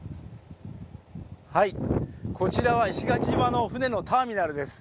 こちらは石垣島の船のターミナルです。